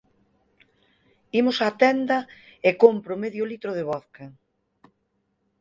Imos á tenda e compro medio litro de vodka.